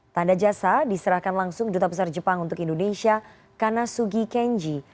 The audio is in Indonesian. tanda jasa diserahkan langsung duta besar jepang untuk indonesia kanasugi kenji